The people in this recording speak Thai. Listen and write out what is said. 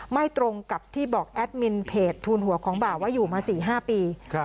ไม่ตรงกับที่บอกแอดมินเพจทูลหัวของบ่าว่าอยู่มา๔๕ปี